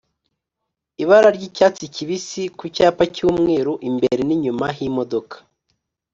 ibara ry’icyatsi kibisi ku cyapa cy’umweru imbere n’inyuma h’imodoka